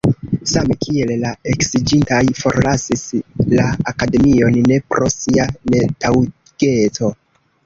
Same kiel la eksiĝintaj forlasis la akademion ne pro sia netaŭgeco.